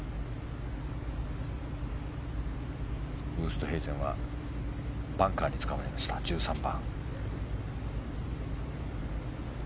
ウーストヘイゼンはバンカーにつかまりました１３番。